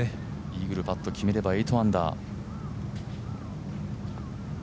イーグルパット、決めれば８アンダー。